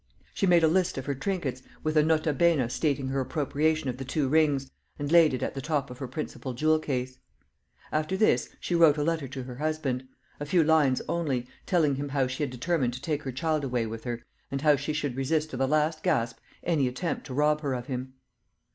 She made a list of her trinkets, with a nota bene stating her appropriation of the two rings, and laid it at the top of her principal jewel case. After this, she wrote a letter to her husband a few lines only, telling him how she had determined to take her child away with her, and how she should resist to the last gasp any attempt to rob her of him.